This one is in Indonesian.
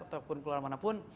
ataupun keluar manapun